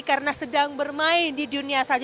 karena sedang bermain di dunia salju